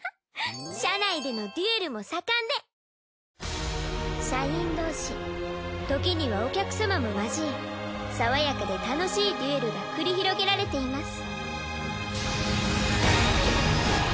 社内でのデュエルも盛んで社員同士時にはお客様も交え爽やかで楽しいデュエルが繰り広げられています。